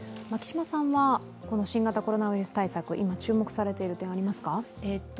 この新型コロナウイルス対策、今注目されている点はありますか？